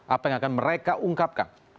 apa yang akan mereka ungkapkan